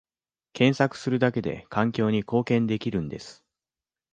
検索するだけで環境に貢献できるんです